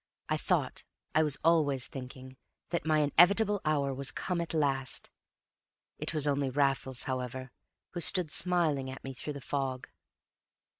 I thought I was always thinking that my inevitable hour was come at last. It was only Raffles, however, who stood smiling at me through the fog.